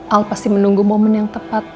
al pasti menunggu momen yang tepat